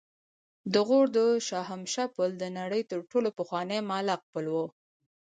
د غور د شاهمشه پل د نړۍ تر ټولو پخوانی معلق پل و